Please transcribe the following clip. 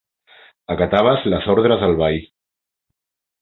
Acataves les ordres del veí.